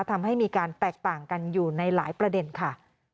ทำให้มีการแตกต่างกันอยู่ในหลายประเด็นค่ะ